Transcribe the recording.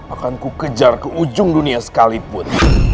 akan ku kejar ke ujung dunia sekalipun